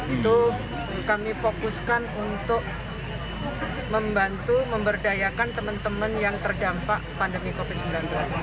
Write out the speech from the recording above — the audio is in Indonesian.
itu kami fokuskan untuk membantu memberdayakan teman teman yang terdampak pandemi covid sembilan belas